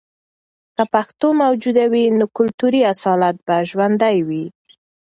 که پښتو موجوده وي، نو کلتوري اصالت به ژوندۍ وي.